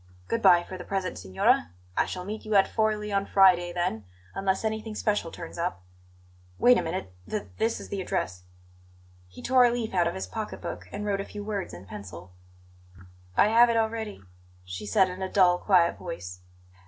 Good bye, for the present, signora; I shall meet you at Forli on Friday, then, unless anything special turns up. Wait a minute; th this is the address." He tore a leaf out of his pocket book and wrote a few words in pencil. "I have it already," she said in a dull, quiet voice.